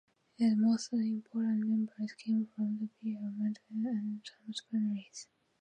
Its most important members came from the Beer, Moosbrugger and Thumb families.